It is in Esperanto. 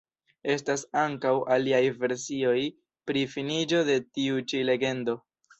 Estas ankaŭ aliaj versioj pri finiĝo de tiu ĉi legendo.